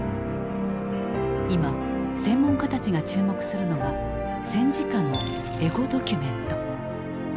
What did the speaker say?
今専門家たちが注目するのが戦時下のエゴドキュメント。